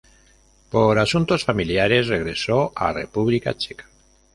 Por asuntos familiares regresó a República Checa.